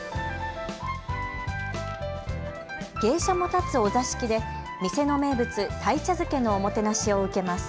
芸者も立つお座敷で店の名物、たい茶漬けのおもてなしを受けます。